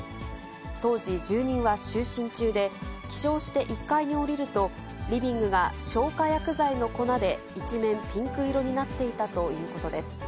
当時、住人は就寝中で起床して１階に下りると、リビングが消火薬剤の粉で一面ピンク色になっていたということです。